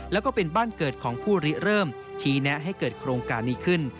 แล้วก็เป็นบ้านเกิดของผู้ริเริ่มชี้แนะให้เกิดโครงการนี้ขึ้น